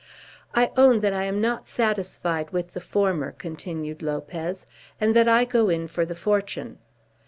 "I own that I am not satisfied with the former," continued Lopez, "and that I go in for the fortune."